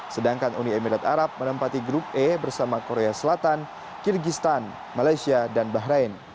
sedangkan uni emirat arab menempati grup e bersama korea selatan kyrgyzstan malaysia dan bahrain